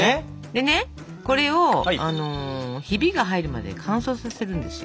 でねこれをヒビが入るまで乾燥させるんですよ。